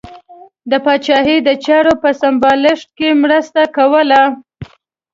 د پاچاهۍ د چارو په سمبالښت کې مرسته کوله.